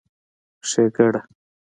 ښېګړه